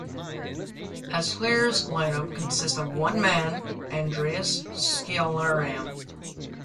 Asche's lineup consists of one man, Andreas Schramm.